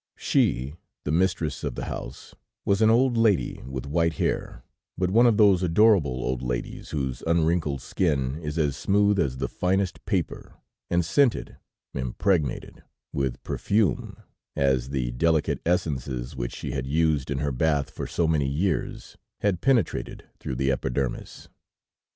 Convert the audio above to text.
She, the mistress of the house, was an old lady with white hair, but one of those adorable old ladies whose unwrinkled skin is as smooth as the finest paper, and scented, impregnated with perfume as the delicate essences which she had used in her bath for so many years had penetrated through the epidermis.